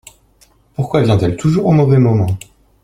Pourquoi vient-elle toujours au mauvais moment?